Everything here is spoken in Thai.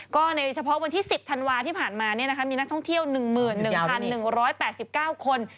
ก็ในเฉพาะวันที่๑๐ธันวาที่ผ่านมามีนักท่องเที่ยว๑๑๑๘๙คน